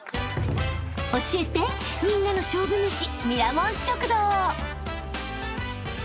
［教えてみんなの勝負めし］